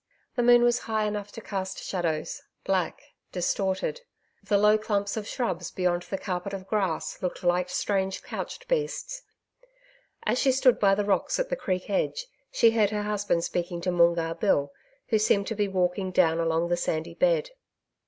The moon was high enough to cast shadows black distorted. The low clumps of shrubs beyond the carpet of grass looked like strange couched beasts.... As she stood by the rocks at the creek edge, she heard her husband speaking to Moongarr Bill, who seemed to be walking down along the sandy bed.